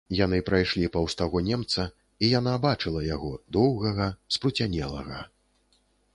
Яны прайшлі паўз таго немца, і яна бачыла яго, доўгага, спруцянелага.